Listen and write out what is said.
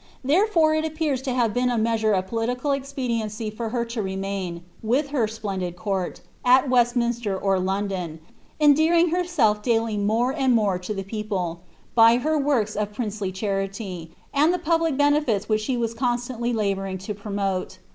Therefore it appears to have been a measure of political expediency for her to remain, with her splendid court, at Westminster or London, endearine henwlf daily more and more to the people, by her works of princely (Parity, and the public benefits which she was con stantly labooring to promote.